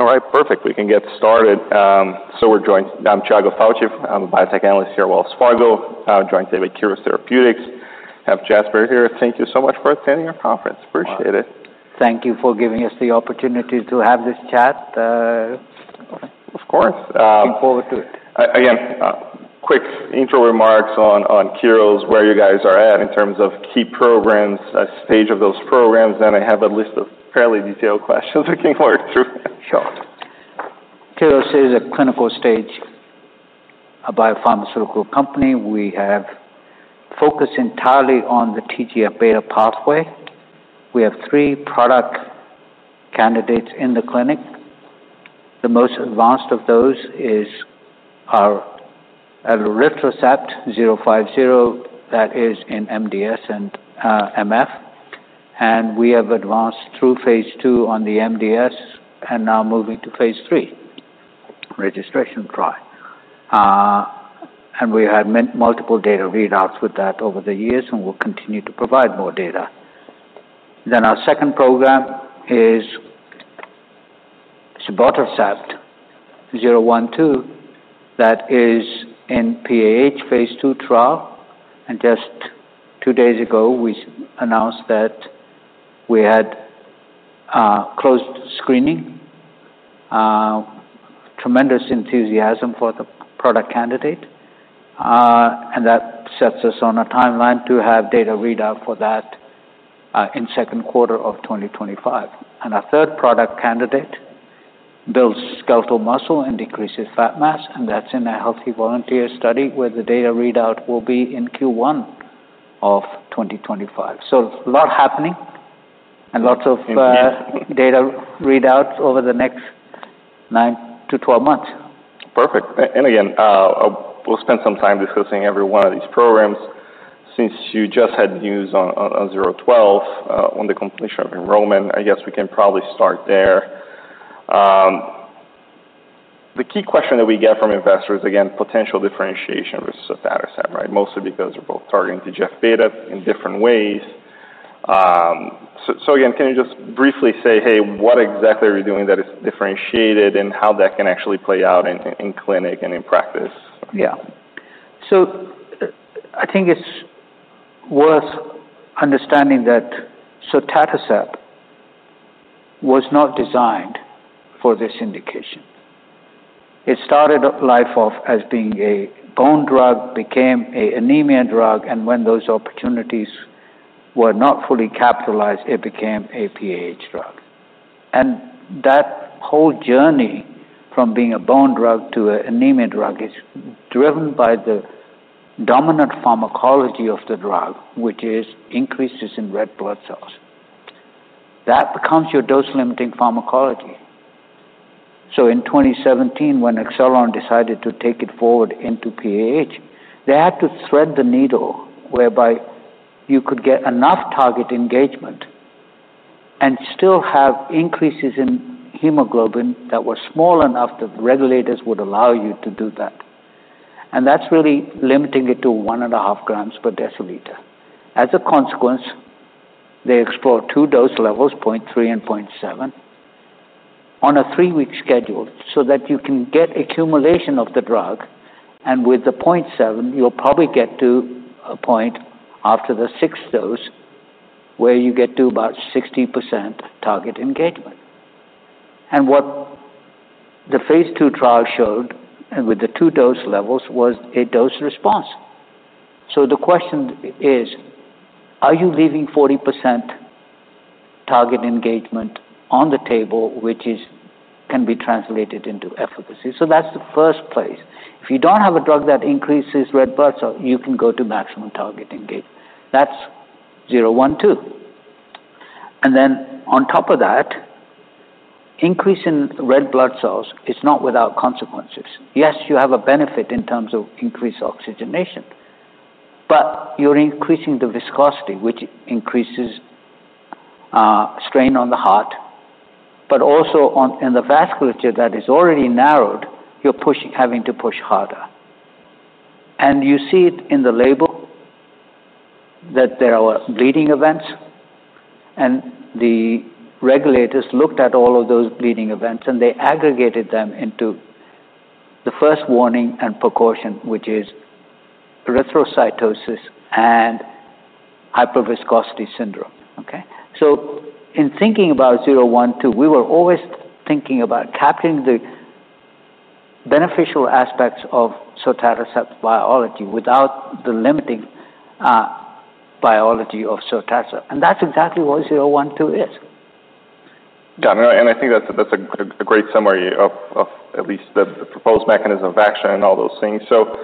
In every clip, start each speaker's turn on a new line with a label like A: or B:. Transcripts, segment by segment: A: All right, perfect. We can get started. I'm Tiago Fauth. I'm a Biotech Analyst here at Wells Fargo. Joined Keros Therapeutics. Have Jasbir here. Thank you so much for attending our conference. Appreciate it.
B: Thank you for giving us the opportunity to have this chat.
A: Of course,
B: Looking forward to it.
A: Again, quick intro remarks on Keros, where you guys are at in terms of key programs, stage of those programs. Then I have a list of fairly detailed questions we can work through.
B: Sure. Keros is a clinical-stage biopharmaceutical company. We have focused entirely on the TGF-beta pathway. We have three product candidates in the clinic. The most advanced of those is our elritercept, zero five zero, that is in MDS and MF. We have advanced through Phase II on the MDS, and now moving to Phase III, registration trial. We have had multiple data readouts with that over the years and will continue to provide more data. Our second program is KER-012, zero one two, that is in PAH Phase II trial, and just two days ago, we announced that we had closed screening. Tremendous enthusiasm for the product candidate, and that sets us on a timeline to have data readout for that in second quarter of 2025. And our third product candidate builds skeletal muscle and decreases fat mass, and that's in a healthy volunteer study, where the data readout will be in Q1 of 2025. So a lot happening and lots of,
A: Indeed.
B: Data readouts over the next 9-12 months.
A: Perfect. And again, we'll spend some time discussing every one of these programs. Since you just had news on zero twelve on the completion of enrollment, I guess we can probably start there. The key question that we get from investors is, again, potential differentiation versus sotatercept, right? Mostly because we're both targeting TGF-beta in different ways. So again, can you just briefly say, "Hey, what exactly are we doing that is differentiated, and how that can actually play out in clinic and in practice?
B: Yeah. So I think it's worth understanding that sotatercept was not designed for this indication. It started life off as being a bone drug, became an anemia drug, and when those opportunities were not fully capitalized, it became a PAH drug. And that whole journey from being a bone drug to an anemia drug is driven by the dominant pharmacology of the drug, which is increases in red blood cells. That becomes your dose-limiting pharmacology. So in 2017, when Acceleron decided to take it forward into PAH, they had to thread the needle whereby you could get enough target engagement and still have increases in hemoglobin that were small enough that regulators would allow you to do that. And that's really limiting it to one and a half grams per deciliter. As a consequence, they explored two dose levels, 0.3 and 0.7, on a 3-week schedule, so that you can get accumulation of the drug, and with the 0.7, you'll probably get to a point after the sixth dose, where you get to about 60% target engagement. And what the Phase II trial showed, and with the two dose levels, was a dose response. So the question is, are you leaving 40% target engagement on the table, which is... can be translated into efficacy? So that's the first place. If you don't have a drug that increases red blood cell, you can go to maximum target engagement. That's zero one two. And then on top of that, increase in red blood cells is not without consequences. Yes, you have a benefit in terms of increased oxygenation, but you're increasing the viscosity, which increases strain on the heart, but also in the vasculature that is already narrowed, you're having to push harder. And you see it in the label, that there are bleeding events, and the regulators looked at all of those bleeding events, and they aggregated them into the first warning and precaution, which is erythrocytosis and hyperviscosity syndrome. Okay? So in thinking about KER-012, we were always thinking about capping the beneficial aspects of sotatercept's biology without the limiting biology of sotatercept, and that's exactly what KER-012 is.
A: Got it, and I think that's a great summary of at least the proposed mechanism of action and all those things. So,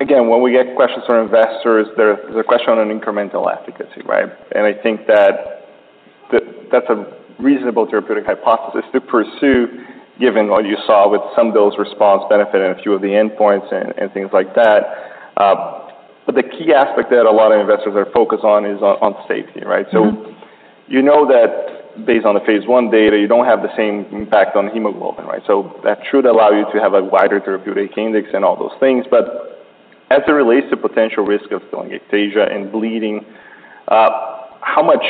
A: again, when we get questions from investors, there's a question on an incremental efficacy, right? And I think that's a reasonable therapeutic hypothesis to pursue, given what you saw with some of those response benefit and a few of the endpoints and things like that. But the key aspect that a lot of investors are focused on is on safety, right? Mm-hmm. So you know that based on the phase one data, you don't have the same impact on hemoglobin, right? So that should allow you to have a wider therapeutic index and all those things. But as it relates to potential risk of telangiectasia and bleeding, how much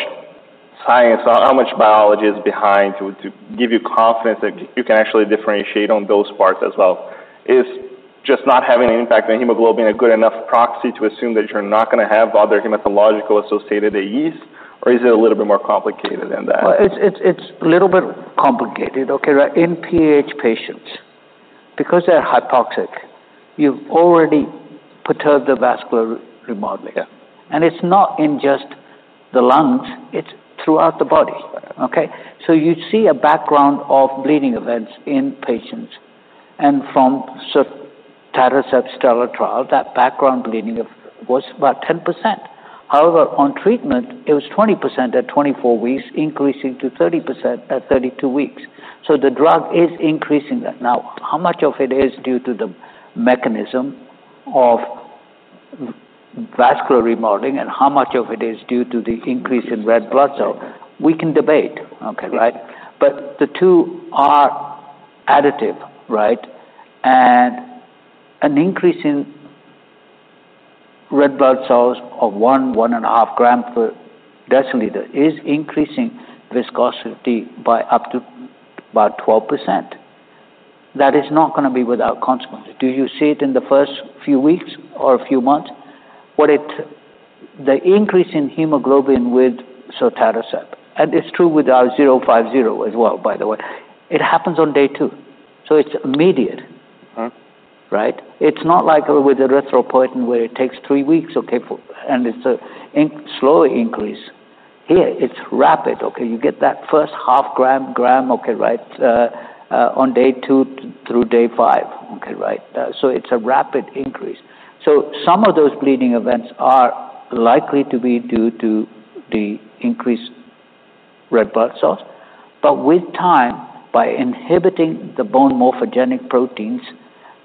A: science or how much biology is behind to give you confidence that you can actually differentiate on those parts as well? Is just not having an impact on hemoglobin a good enough proxy to assume that you're not going to have other hematological associated AEs, or is it a little bit more complicated than that?
B: It's a little bit complicated, okay. Right. In PAH patients, because they're hypoxic, you've already perturbed the vascular remodeling. And it's not in just the lungs, it's throughout the body, okay? So you see a background of bleeding events in patients, and from sotatercept STELLAR trial, that background bleeding was about 10%. However, on treatment, it was 20% at 24 weeks, increasing to 30% at 32 weeks. So the drug is increasing that. Now, how much of it is due to the mechanism of vascular remodeling and how much of it is due to the increase in red blood cells? We can debate. Okay, right? But the two are additive, right? And an increase in red blood cells of one, one and a half gram per deciliter is increasing viscosity by up to about 12%. That is not going to be without consequence. Do you see it in the first few weeks or a few months? The increase in hemoglobin with sotatercept, and it's true with our KER-050 as well, by the way, it happens on day two, so it's immediate.
A: Uh.
B: Right? It's not like with erythropoietin, where it takes three weeks, okay, for an incremental slow increase. Here, it's rapid, okay? You get that first half gram, okay, right, on day two through day five. Okay, right. So it's a rapid increase. So some of those bleeding events are likely to be due to the increased red blood cells. But with time, by inhibiting the bone morphogenetic proteins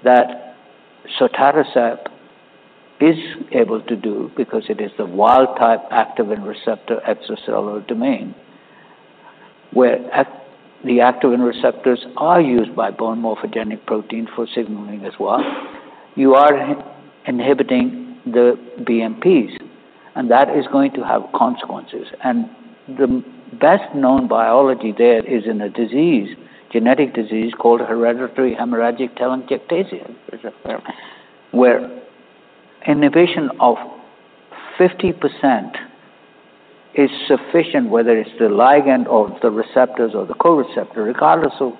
B: that sotatercept is able to do because it is the wild type activin receptor extracellular domain, where the activin receptors are used by bone morphogenetic protein for signaling as well, you are inhibiting the BMPs, and that is going to have consequences. The best-known biology there is in a disease, genetic disease, called Hereditary Hemorrhagic Telangiectasia, where inhibition of 50% is sufficient, whether it's the ligand or the receptors or the co-receptor. Regardless of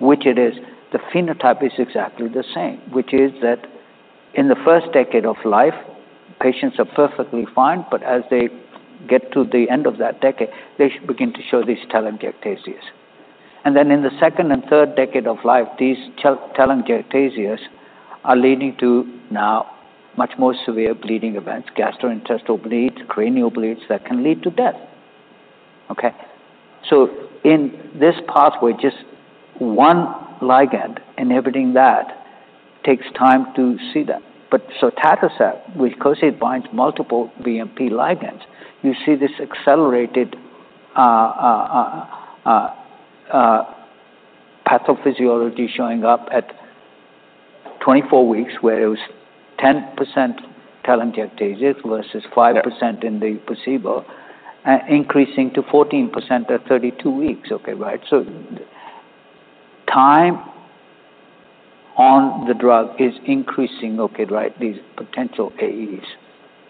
B: which it is, the phenotype is exactly the same, which is that in the first decade of life, patients are perfectly fine, but as they get to the end of that decade, they should begin to show these telangiectasia. And then in the second and third decade of life, these telangiectasia are leading to now much more severe bleeding events, gastrointestinal bleeds, cranial bleeds that can lead to death. Okay? So in this pathway, just one ligand inhibiting that takes time to see that. But sotatercept, because it binds multiple BMP ligands, you see this accelerated pathophysiology showing up at 24 weeks, where it was 10% telangiectasia versus 5%- Yeah in the placebo, increasing to 14% at 32 weeks. Okay, right. So time on the drug is increasing, okay, right, these potential AEs.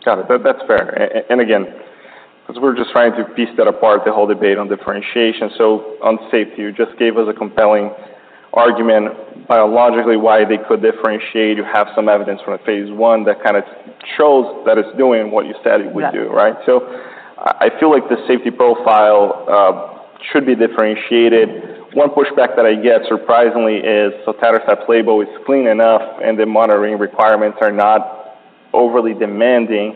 A: Got it. That, that's fair. And again, as we're just trying to piece that apart, the whole debate on differentiation. So on safety, you just gave us a compelling argument, biologically, why they could differentiate. You have some evidence from a Phase I that kind of shows that it's doing what you said it would do.
B: Yeah.
A: Right? So I feel like the safety profile should be differentiated. One pushback that I get, surprisingly, is sotatercept label is clean enough, and the monitoring requirements are not overly demanding.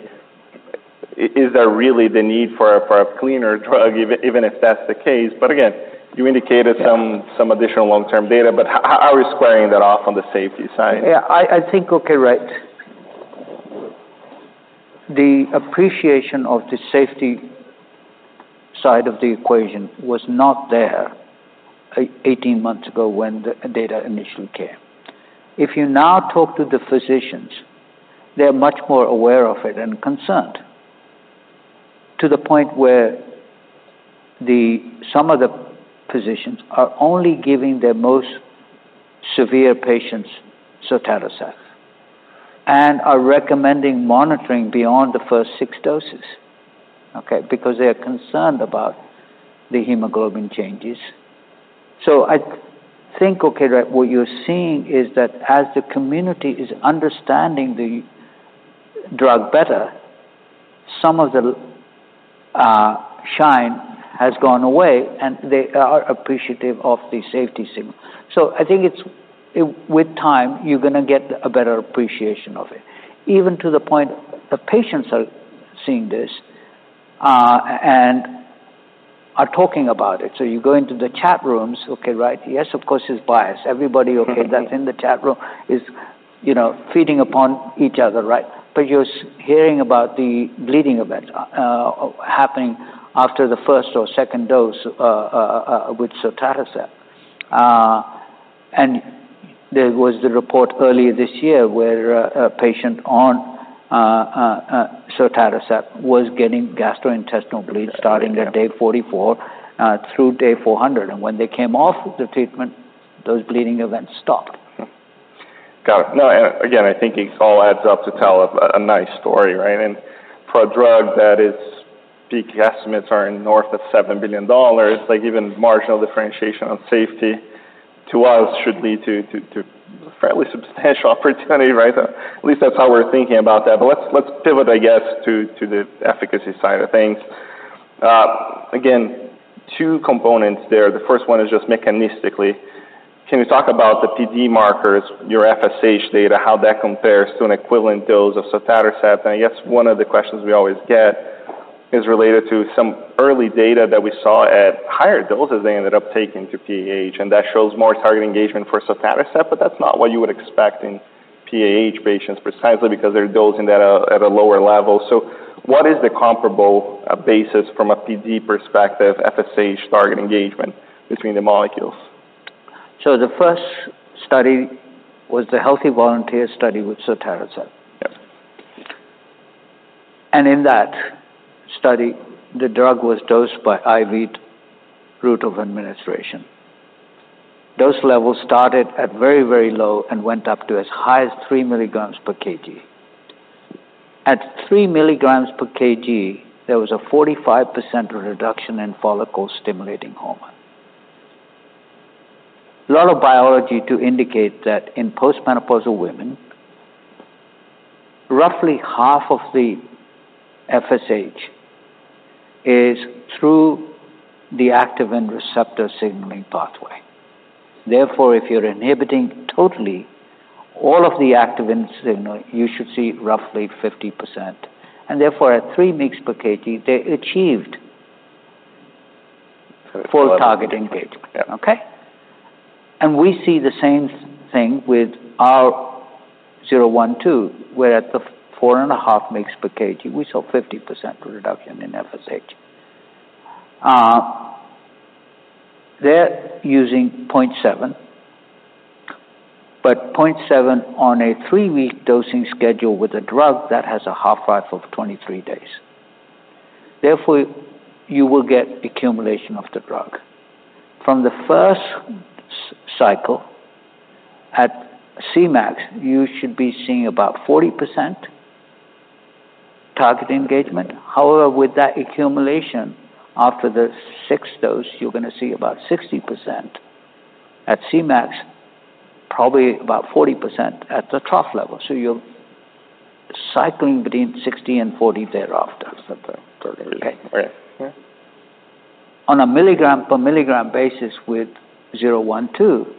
A: Is there really the need for a cleaner drug, even if that's the case? But again, you indicated- Yeah some additional long-term data, but how are we squaring that off on the safety side?
B: Yeah, I think, okay, right. The appreciation of the safety side of the equation was not there eighteen months ago when the data initially came. If you now talk to the physicians, they are much more aware of it and concerned, to the point where some of the physicians are only giving their most severe patients sotatercept and are recommending monitoring beyond the first six doses, okay? Because they are concerned about the hemoglobin changes. So I think, okay, right, what you're seeing is that as the community is understanding the drug better, some of the shine has gone away, and they are appreciative of the safety signal. So I think it's with time, you're going to get a better appreciation of it. Even to the point, the patients are seeing this and are talking about it. So you go into the chat rooms, okay, right? Yes, of course, there's bias. Everybody, okay, that's in the chat room is, you know, feeding upon each other, right? But you're hearing about the bleeding event happening after the first or second dose with sotatercept. And there was the report earlier this year where a patient on sotatercept was getting gastrointestinal bleeds starting at day 44 through day 400, and when they came off of the treatment, those bleeding events stopped.
A: Got it. No, and again, I think it all adds up to tell a nice story, right? And for a drug whose peak estimates are north of $7 billion, like, even marginal differentiation on safety to us should lead to fairly substantial opportunity, right? At least that's how we're thinking about that. But let's pivot, I guess, to the efficacy side of things. Again, two components there. The first one is just mechanistically. Can you talk about the PD markers, your FSH data, how that compares to an equivalent dose of sotatercept? I guess one of the questions we always get is related to some early data that we saw at higher doses they ended up taking to PAH, and that shows more target engagement for sotatercept, but that's not what you would expect in PAH patients, precisely because they're dosing that at a lower level. What is the comparable basis from a PD perspective, FSH target engagement between the molecules?
B: The first study was the healthy volunteer study with sotatercept.
A: Yep.
B: And in that study, the drug was dosed by IV route of administration. Dose levels started at very, very low and went up to as high as three milligrams per kg. At three milligrams per kg, there was a 45% reduction in follicle-stimulating hormone. A lot of biology to indicate that in post-menopausal women, roughly half of the FSH is through the activin receptor signaling pathway. Therefore, if you're inhibiting totally all of the activin signal, you should see roughly 50%, and therefore, at three mgs per kg, they achieved-
A: Full.
B: Full target engagement.
A: Yeah.
B: Okay? We see the same thing with our zero one two, where at the 4.5 mg/kg, we saw 50% reduction in FSH. They're using 0.7, but 0.7 on a 3-week dosing schedule with a drug that has a half-life of 23 days. Therefore, you will get accumulation of the drug. From the first cycle, at Cmax, you should be seeing about 40% target engagement. However, with that accumulation, after the sixth dose, you're gonna see about 60% at Cmax, probably about 40% at the trough level, so you're cycling between 60% and 40% thereafter.
A: Okay. Totally.
B: Okay.
A: All right. Yeah.
B: On a milligram-per-milligram basis with KER-012,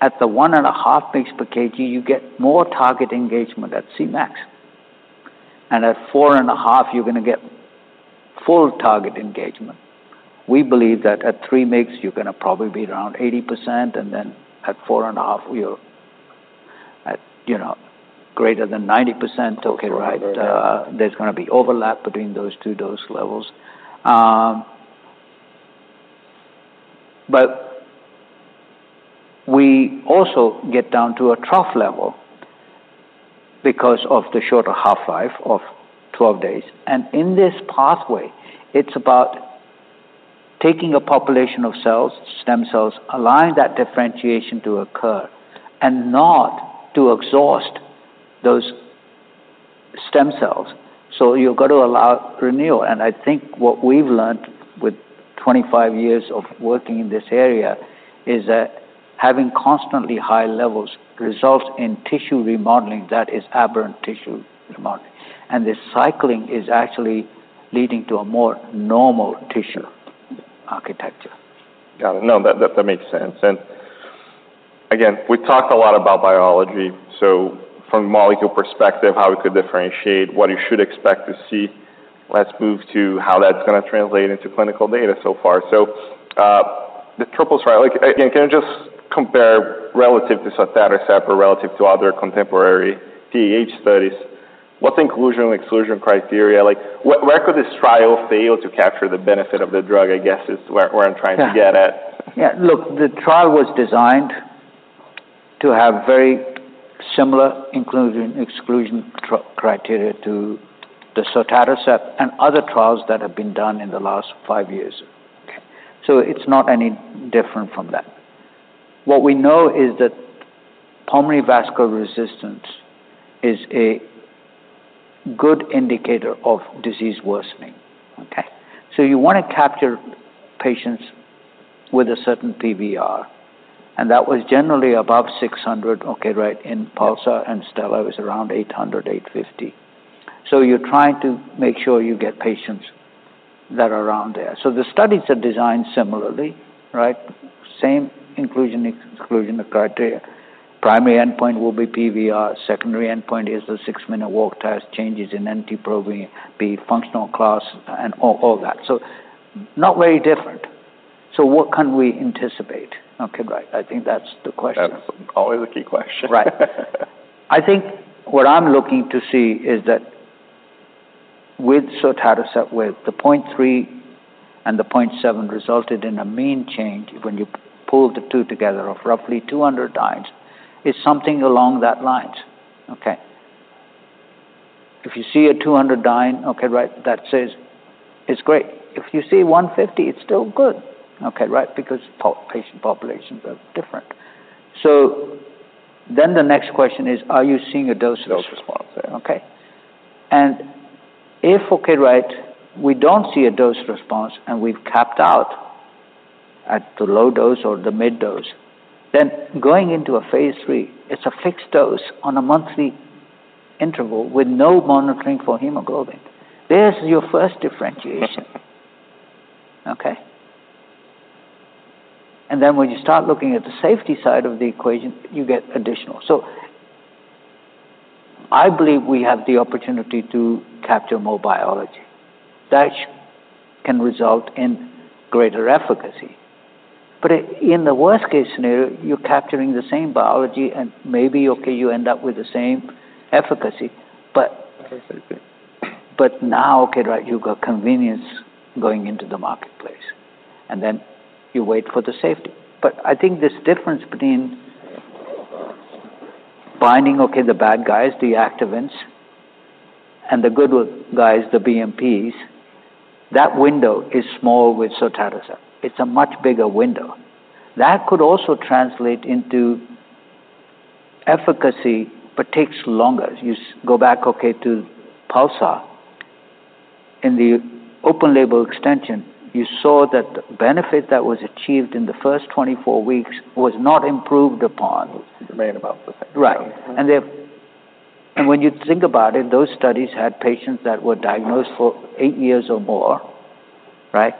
B: at the one and a half mgs per kg, you get more target engagement at Cmax, and at four and a half, you're gonna get full target engagement. We believe that at three mgs, you're gonna probably be around 80%, and then at four and a half, you're at, you know, greater than 90%. Okay, right. There's gonna be overlap between those two dose levels. But we also get down to a trough level because of the shorter half-life of twelve days, and in this pathway, it's about taking a population of cells, stem cells, allowing that differentiation to occur and not to exhaust those stem cells. So you've got to allow renewal, and I think what we've learned with 25 years of working in this area is that having constantly high levels results in tissue remodeling, that is aberrant tissue remodeling. And the cycling is actually leading to a more normal tissue architecture.
A: Got it. No, that makes sense. And again, we talked a lot about biology, so from a molecule perspective, how we could differentiate what you should expect to see. Let's move to how that's gonna translate into clinical data so far. So, the triples, right, like, and can you just compare relative to sotatercept or relative to other contemporary PAH studies, what's the inclusion and exclusion criteria? Like, where could this trial fail to capture the benefit of the drug, I guess, is where I'm trying to get at?
B: Yeah. Look, the trial was designed to have very similar inclusion, exclusion criteria to the sotatercept and other trials that have been done in the last five years.
A: Okay.
B: It's not any different from that. What we know is that pulmonary vascular resistance is a good indicator of disease worsening, okay? You wanna capture patients with a certain PVR, and that was generally above 600, okay, right, in PULSAR, and STELLAR was around 800, 850. You're trying to make sure you get patients that are around there. The studies are designed similarly, right? Same inclusion, exclusion criteria. Primary endpoint will be PVR. Secondary endpoint is the six-minute walk test, changes in NT-proBNP, functional class, and all, all that. Not very different. What can we anticipate? Okay, great. I think that's the question.
A: That's always a key question.
B: Right. I think what I'm looking to see is that with sotatercept, with the point three and the point seven resulted in a mean change when you pull the two together of roughly 200 dynes, is something along that lines, okay? If you see a 200 dyne, okay, right, that says it's great. If you see 150, it's still good, okay, right, because patient populations are different. So then the next question is, are you seeing a dose response? Okay. And if, okay, right, we don't see a dose response, and we've capped out at the low dose or the mid dose, then going into a Phase III, it's a fixed dose on a monthly interval with no monitoring for hemoglobin. There's your first differentiation, okay? And then when you start looking at the safety side of the equation, you get additional. I believe we have the opportunity to capture more biology. That can result in greater efficacy. But it- in the worst-case scenario, you're capturing the same biology and maybe, okay, you end up with the same efficacy. But-
A: Perfect.
B: But now, okay, right, you've got convenience going into the marketplace, and then you wait for the safety. But I think this difference between binding, okay, the bad guys, the activins, and the good guys, the BMPs, that window is small with sotatercept. It's a much bigger window. That could also translate into efficacy, but takes longer. You go back, okay, to PULSAR. In the open-label extension, you saw that the benefit that was achieved in the first 24 weeks was not improved upon.
A: Right about...
B: Right. And if and when you think about it, those studies had patients that were diagnosed for eight years or more, right?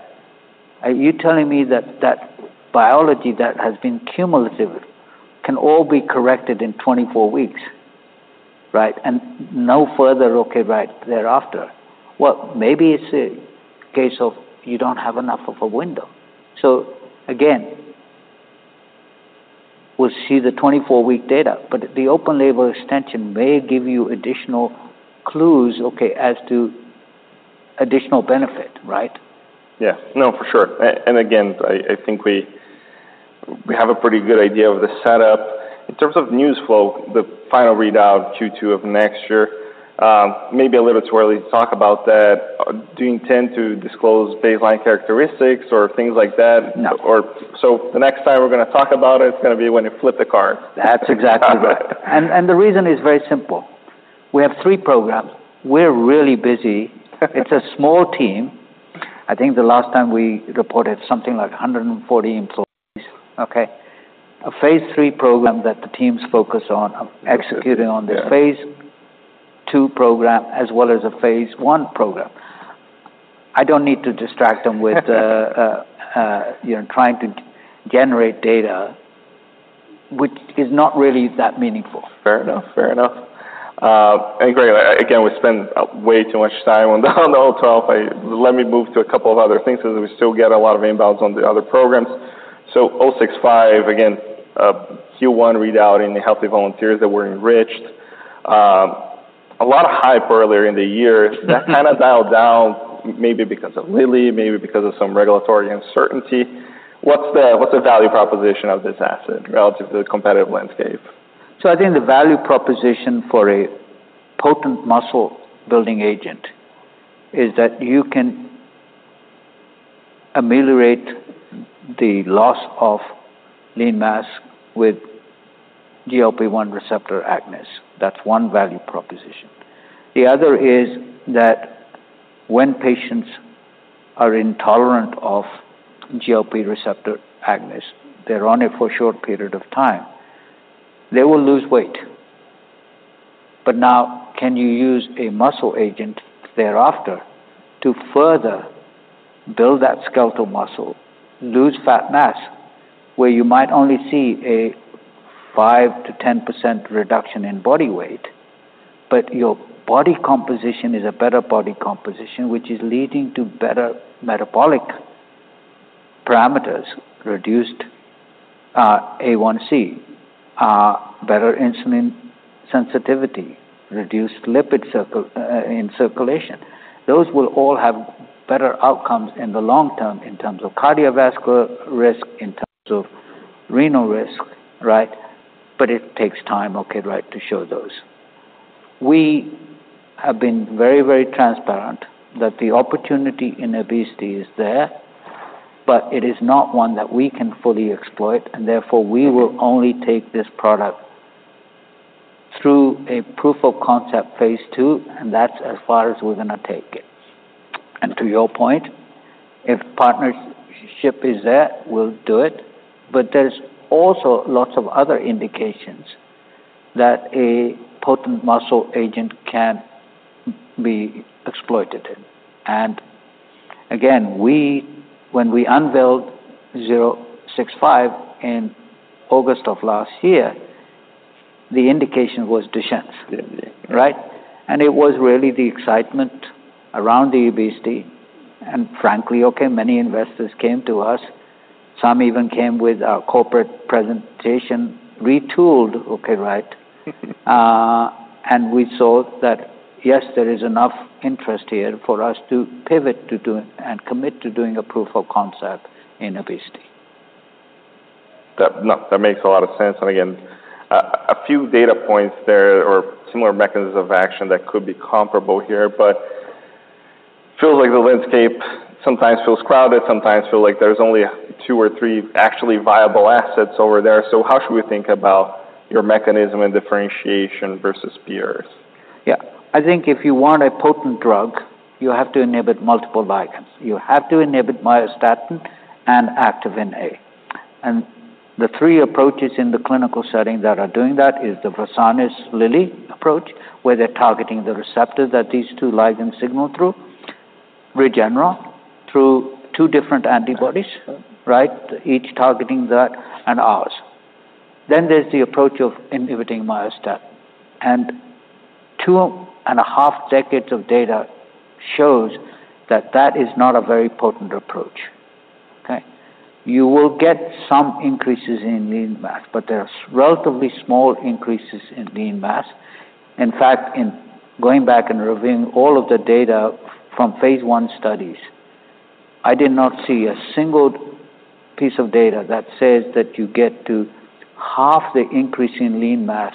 B: Are you telling me that that biology that has been cumulative can all be corrected in 24 weeks, right, and no further, okay, right, thereafter? Well, maybe it's a case of you don't have enough of a window. So again, we'll see the 24-week data, but the open-label extension may give you additional clues, okay, as to additional benefit, right?
A: Yeah. No, for sure. And again, I think we have a pretty good idea of the setup. In terms of news flow, the final readout, Q2 of next year, may be a little too early to talk about that. Do you intend to disclose baseline characteristics or things like that?
B: No.
A: The next time we're gonna talk about it, it's gonna be when you flip the card.
B: That's exactly right. And, and the reason is very simple. We have three programs. We're really busy. It's a small team. I think the last time we reported something like 140 employees, okay? A Phase III program that the teams focus on executing on-
A: Yeah.
B: - this Phase II program, as well as a Phase I program. I don't need to distract them with, you know, trying to generate data, which is not really that meaningful.
A: Fair enough. Fair enough. And great. Again, we spend way too much time on the O12. Let me move to a couple of other things, because we still get a lot of inbounds on the other programs. So O65, again, a Q1 readout in the healthy volunteers that were enriched. A lot of hype earlier in the year that kind of dialed down, maybe because of Lilly, maybe because of some regulatory uncertainty. What's the, what's the value proposition of this asset relative to the competitive landscape?
B: So I think the value proposition for a potent muscle-building agent is that you can ameliorate the loss of lean mass with GLP-1 receptor agonists. That's one value proposition. The other is that when patients are intolerant of GLP receptor agonists, they're on it for a short period of time. They will lose weight. But now, can you use a muscle agent thereafter to further build that skeletal muscle, lose fat mass, where you might only see a 5%-10% reduction in body weight, but your body composition is a better body composition, which is leading to better metabolic parameters, reduced A1C, better insulin sensitivity, reduced circulating lipids in circulation. Those will all have better outcomes in the long term in terms of cardiovascular risk, in terms of renal risk, right? But it takes time, okay, right, to show those. We have been very, very transparent that the opportunity in obesity is there, but it is not one that we can fully exploit, and therefore, we will only take this product through a proof-of-concept phase II, and that's as far as we're gonna take it. And to your point, if partnership is there, we'll do it. But there's also lots of other indications that a potent muscle agent can be exploited. And again, when we unveiled O65 in August of last year, the indication was Duchenne, right? And it was really the excitement around the obesity, and frankly, okay, many investors came to us. Some even came with a corporate presentation, retooled, okay, right? And we saw that, yes, there is enough interest here for us to pivot to do and commit to doing a proof of concept in obesity.
A: No, that makes a lot of sense. And again, a few data points there or similar mechanisms of action that could be comparable here, but feels like the landscape sometimes feels crowded, sometimes feel like there's only two or three actually viable assets over there. So how should we think about your mechanism and differentiation versus peers?
B: Yeah. I think if you want a potent drug, you have to inhibit multiple ligands. You have to inhibit myostatin and activin A. And the three approaches in the clinical setting that are doing that is the Versanis-Lilly approach, where they're targeting the receptor that these two ligand signal through, Regeneron, through two different antibodies, right? Each targeting that, and ours. Then there's the approach of inhibiting myostatin, and two and a half decades of data shows that that is not a very potent approach, okay? You will get some increases in lean mass, but there are relatively small increases in lean mass. In fact, in going back and reviewing all of the data from Phase I studies, I did not see a single piece of data that says that you get to half the increase in lean mass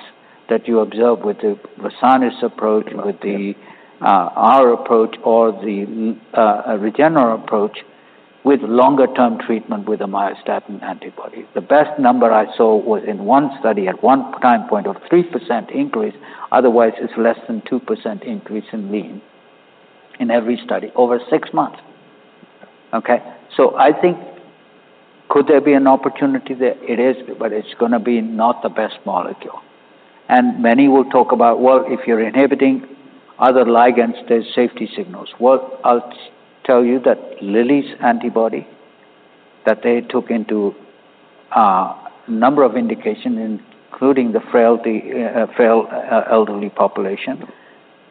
B: that you observe with the Versanis approach, with the our approach or the Regeneron approach, with longer term treatment with a myostatin antibody. The best number I saw was in one study at one time point of 3% increase. Otherwise, it's less than 2% increase in lean, in every study over six months, okay? So I think, could there be an opportunity there? It is, but it's gonna be not the best molecule. And many will talk about, well, if you're inhibiting other ligands, there's safety signals. I'll tell you that Lilly's antibody, that they took into a number of indications, including the frail elderly population,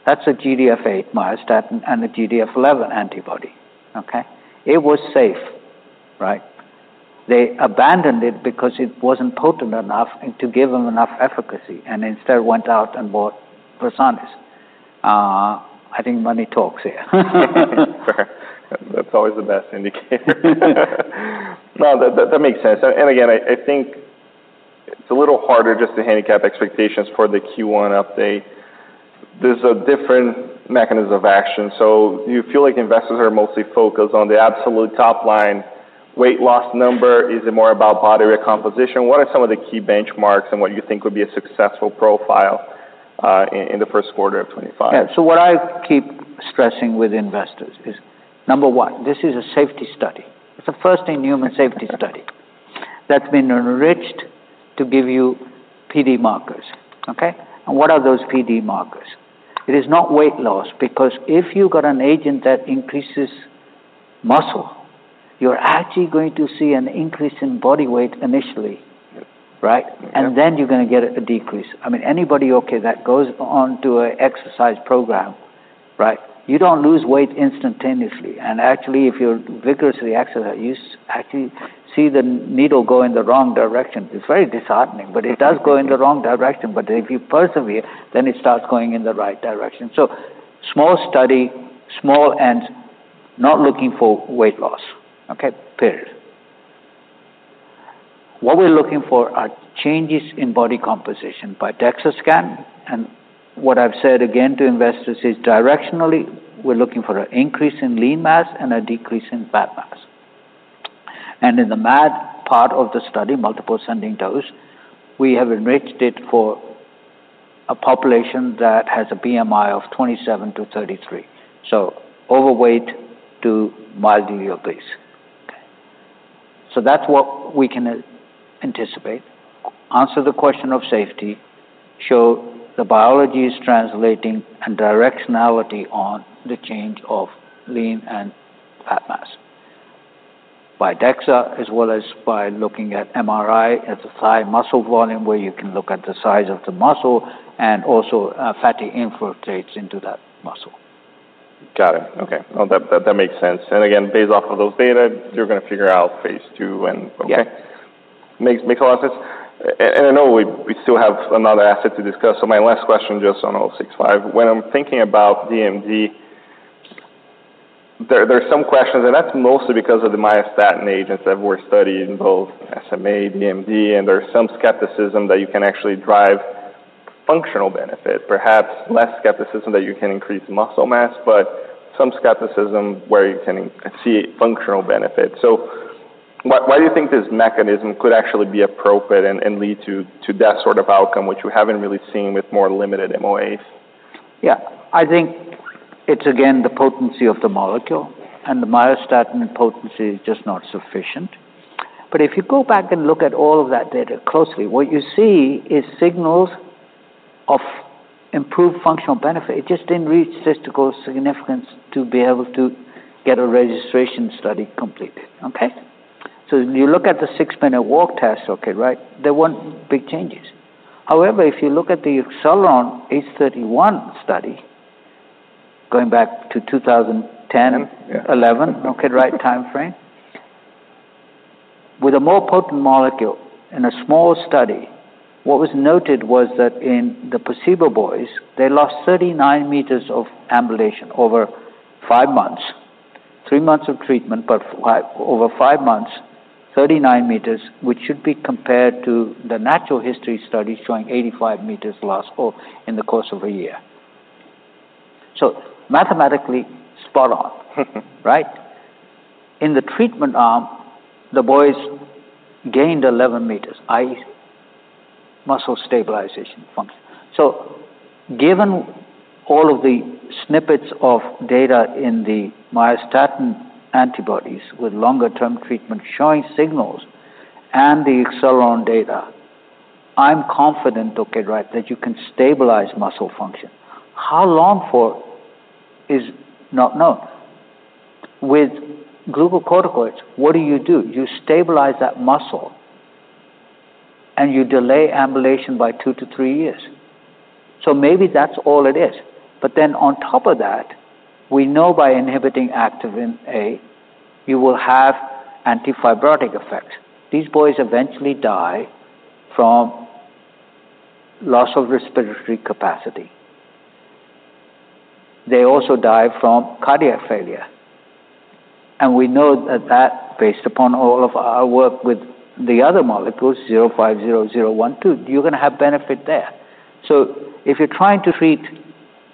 B: that's a GDF8 myostatin and a GDF11 antibody, okay? It was safe, right? They abandoned it because it wasn't potent enough and to give them enough efficacy, and instead went out and bought Versanis. I think money talks here.
A: Sure. That's always the best indicator. No, that makes sense. And again, I think it's a little harder just to handicap expectations for the Q1 update. There's a different mechanism of action, so do you feel like investors are mostly focused on the absolute top line, weight loss number? Is it more about body recomposition? What are some of the key benchmarks and what you think would be a successful profile in the first quarter of 2025?
B: Yeah. So what I keep stressing with investors is, number one, this is a safety study. It's a first-in-human safety study, that's been enriched to give you PD markers, okay? And what are those PD markers? It is not weight loss, because if you got an agent that increases muscle, you're actually going to see an increase in body weight initially.
A: Yeah.
B: Right?
A: Yeah.
B: And then you're gonna get a decrease. I mean, anybody, okay, that goes on to an exercise program, right, you don't lose weight instantaneously. And actually, if you're vigorously active, you actually see the needle go in the wrong direction. It's very disheartening, but it does go in the wrong direction. But if you persevere, then it starts going in the right direction. So small study, small and not looking for weight loss, okay? Period. What we're looking for are changes in body composition by DEXA scan, and what I've said again to investors is, directionally, we're looking for an increase in lean mass and a decrease in fat mass. And in the MAD part of the study, multiple ascending dose, we have enriched it for a population that has a BMI of 27-33, so overweight to mildly obese, okay? So that's what we can anticipate. Answer the question of safety, show the biology is translating and directionality on the change of lean and fat mass. By DEXA, as well as by looking at MRI, at the thigh muscle volume, where you can look at the size of the muscle and also, fatty infiltrates into that muscle.
A: Got it. Okay. That makes sense. Again, based off of those data, you're gonna figure out Phase II and-
B: Yeah.
A: Okay. Makes a lot of sense. And I know we still have another asset to discuss. So my last question, just on KER-065. When I'm thinking about DMD, there are some questions, and that's mostly because of the myostatin agents that were studied in both SMA, DMD, and there's some skepticism that you can actually drive functional benefit. Perhaps less skepticism that you can increase muscle mass, but some skepticism where you can see functional benefit. So why do you think this mechanism could actually be appropriate and lead to that sort of outcome, which we haven't really seen with more limited MOAs?
B: Yeah. I think it's again, the potency of the molecule and the myostatin potency is just not sufficient. But if you go back and look at all of that data closely, what you see is signals of improved functional benefit. It just didn't reach statistical significance to be able to get a registration study completed, okay? So you look at the six-minute walk test, okay, right, there weren't big changes. However, if you look at the Acceleron ACE-031 study. Going back to 2010-2011? Okay, right timeframe. With a more potent molecule in a small study, what was noted was that in the placebo boys, they lost 39 meters of ambulation over five months. Three months of treatment, but over five months, 39 meters, which should be compared to the natural history study, showing 85 meters lost for in the course of a year. So mathematically, spot on, right? In the treatment arm, the boys gained eleven meters, i.e., muscle stabilization function. So given all of the snippets of data in the myostatin antibodies with longer-term treatment showing signals and the Acceleron data, I'm confident, okay, right, that you can stabilize muscle function. How long for is not known. With glucocorticoids, what do you do? You stabilize that muscle, and you delay ambulation by two to three years. So maybe that's all it is. But then on top of that, we know by inhibiting activin A, you will have antifibrotic effects. These boys eventually die from loss of respiratory capacity. They also die from cardiac failure, and we know that that, based upon all of our work with the other molecules, KER-050, KER-012, you're gonna have benefit there. So if you're trying to treat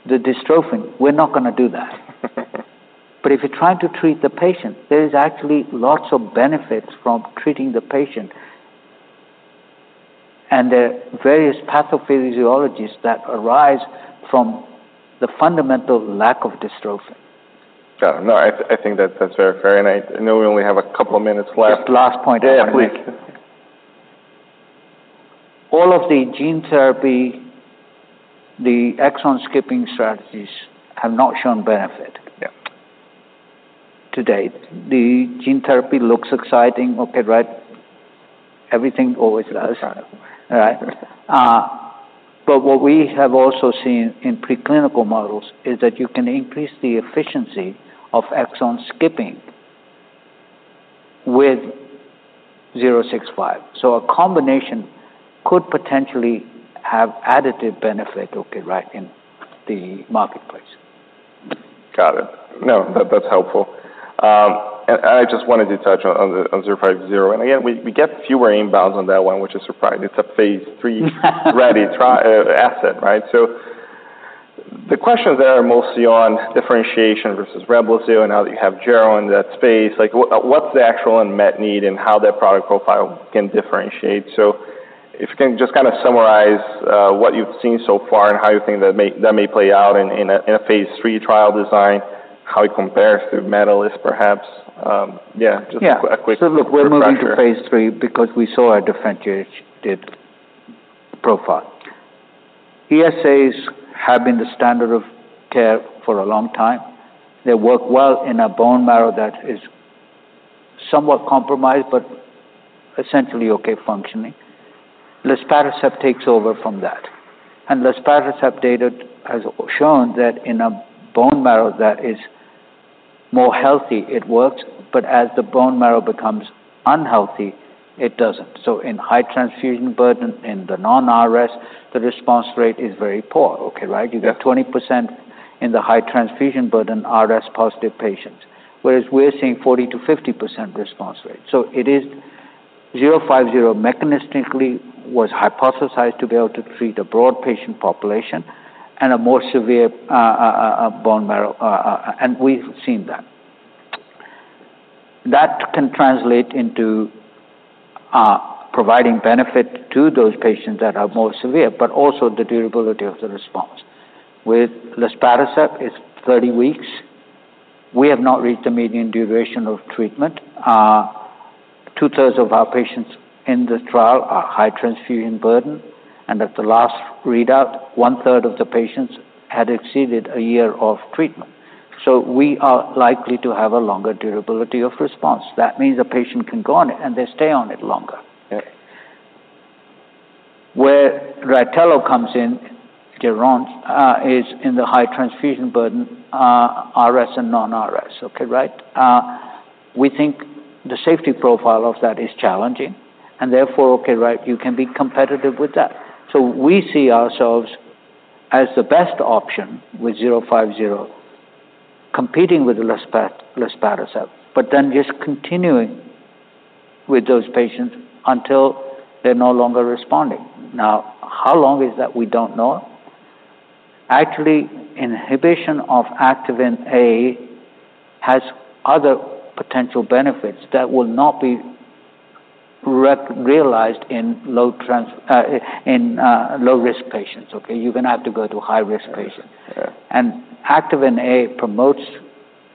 B: the dystrophin, we're not gonna do that. But if you're trying to treat the patient, there is actually lots of benefits from treating the patient and the various pathophysiologies that arise from the fundamental lack of dystrophin.
A: Got it. No, I think that's very fair, and I know we only have a couple of minutes left.
B: Just last point I want to make.
A: Yeah, quick.
B: All of the gene therapy, the exon skipping strategies have not shown benefit-
A: Yeah
B: To date. The gene therapy looks exciting. Okay, right. Everything always does.
A: Right.
B: Right? but what we have also seen in preclinical models is that you can increase the efficiency of exon skipping with KER-065, so a combination could potentially have additive benefit, okay, right, in the marketplace.
A: Got it. No, that's helpful, and I just wanted to touch onKER-050, and again, we get fewer inbounds on that one, which is surprising. It's a Phase III-ready asset, right? So the questions are mostly on differentiation versus Reblozyl, and now that you have Geron in that space, like, what's the actual unmet need and how that product profile can differentiate? So if you can just kind of summarize what you've seen so far and how you think that may play out in a Phase III trial design, how it compares to imetelstat, perhaps.
B: Yeah.
A: Just a quick refresher.
B: So look, we're moving to Phase III because we saw a differentiated profile. ESAs have been the standard of care for a long time. They work well in a bone marrow that is somewhat compromised but essentially okay functioning. luspatercept takes over from that, and luspatercept data has shown that in a bone marrow that is more healthy, it works, but as the bone marrow becomes unhealthy, it doesn't. So in high transfusion burden, in the non-RS, the response rate is very poor, okay, right? Yeah. You got 20% in the high transfusion burden, RS-positive patients, whereas we're seeing 40%-50% response rate. So it is KER-050 mechanistically was hypothesized to be able to treat a broad patient population and a more severe, bone marrow, and we've seen that. That can translate into, providing benefit to those patients that are more severe, but also the durability of the response. With luspatercept, it's 30 weeks. We have not reached the median duration of treatment. Two-thirds of our patients in the trial are high transfusion burden, and at the last readout, one-third of the patients had exceeded a year of treatment. So we are likely to have a longer durability of response. That means the patient can go on it, and they stay on it longer. Okay. Where Rytelo comes in, Geron, is in the high transfusion burden, RS and non-RS, okay, right? We think the safety profile of that is challenging, and therefore, okay, right, you can be competitive with that. So we see ourselves as the best option with KER-050, competing with Luspatercept, but then just continuing with those patients until they're no longer responding. Now, how long is that? We don't know. Actually, inhibition of activin A has other potential benefits that will not be realized in low trans, in, low-risk patients, okay? You're gonna have to go to high-risk patients. Sure. And activin A promotes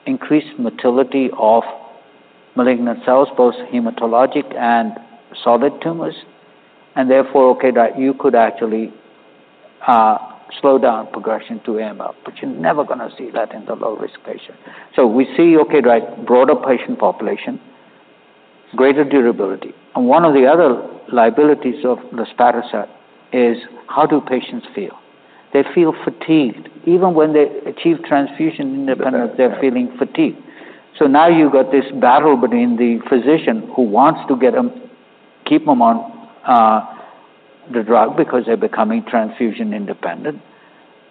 B: increased motility of malignant cells, both hematologic and solid tumors, and therefore that you could actually slow down progression to AML, but you're never gonna see that in the low-risk patient. So we see broader patient population, greater durability. And one of the other liabilities of luspatercept is, how do patients feel? They feel fatigued. Even when they achieve transfusion independence- Yeah. They're feeling fatigued. So now you've got this battle between the physician who wants to get them, keep them on, the drug because they're becoming transfusion-independent,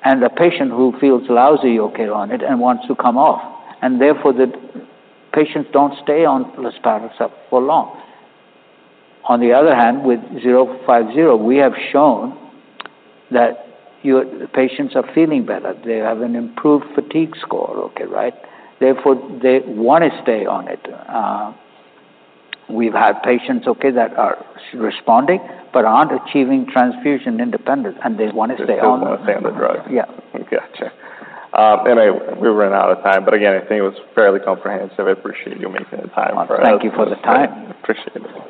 B: and the patient who feels lousy, okay, on it and wants to come off, and therefore, the patients don't stay on luspatercept for long. On the other hand, with KER-050, we have shown that your patients are feeling better. They have an improved fatigue score, okay, right? Therefore, they want to stay on it. We've had patients, okay, that are responding but aren't achieving transfusion independence, and they want to stay on the-
A: They still want to stay on the drug.
B: Yeah.
A: Gotcha. We've run out of time, but again, I think it was fairly comprehensive. I appreciate you making the time for us.
B: Thank you for the time.
A: Appreciate it.